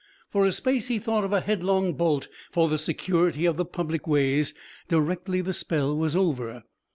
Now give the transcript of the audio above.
For a space he thought of a headlong bolt for the security of the public ways directly the spell was over.